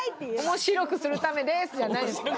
面白くするためですじゃないんですよ。